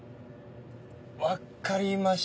分かりました。